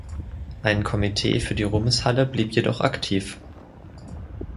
Ein Komitee für die Ruhmeshalle blieb jedoch aktiv.